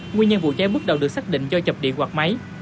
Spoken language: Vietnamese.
nguyên nhân vụ cháy bước đầu được xác định do chập điện quạt máy